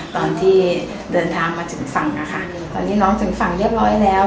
ตอนที่เดินทางมาถึงฝั่งนะคะตอนนี้น้องถึงฝั่งเรียบร้อยแล้ว